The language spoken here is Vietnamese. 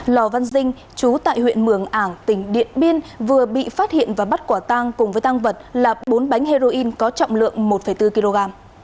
lò văn dinh chú tại huyện mường ảng tỉnh điện biên vừa bị phát hiện và bắt quả tang cùng với tăng vật là bốn bánh heroin có trọng lượng một bốn kg